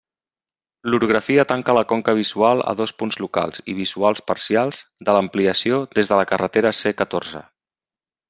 L'orografia tanca la conca visual a dos punts locals i visuals parcials de l'ampliació des de la carretera C catorze.